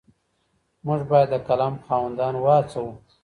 موږ بايد د قلم خاوندان وهڅوو.